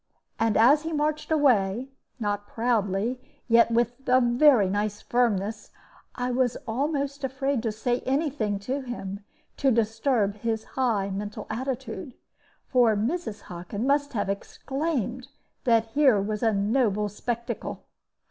And as he marched away, not proudly, yet with a very nice firmness, I was almost afraid to say any thing to him to disturb his high mental attitude. For Mrs. Hockin must have exclaimed that here was a noble spectacle.